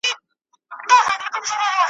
د سټیج له سر څخه ,